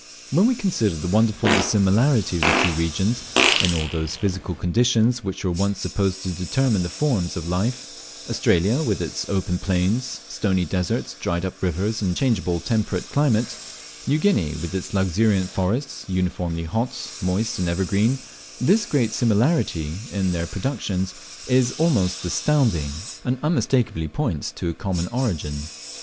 When we consider the wonderful dissimilarity of the two regions in all those physical conditions which were once supposed to determine the forms of life Australia, with its open plains, stony deserts, dried up rivers, and changeable temperate climate; New Guinea, with its luxuriant forests, uniformly hot, moist, and evergreen this great similarity in their productions is almost astounding, and unmistakeably points to a common origin.